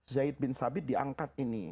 zaid bin sabit diangkat ini